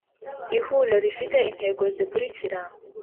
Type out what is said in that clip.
Ihuriro rifite intego zikuriikira